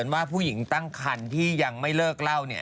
ว่าผู้หญิงตั้งครรภ์ที่ยังไม่เลิกเล่า